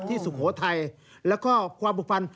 ส่วนที่สุโปรไทยแล้วก็ความผูกพันธุ์